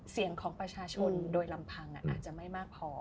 เสียงของประชาชนโดยลำพังอาจจะไม่มากพอ